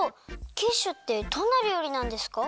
キッシュってどんなりょうりなんですか？